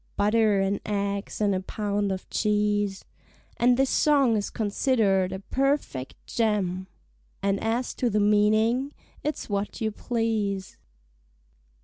(Butter and eggs and a pound of cheese) And this song is consider'd a perfect gem, And as to the meaning, it's what you please.